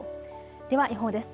では予報です。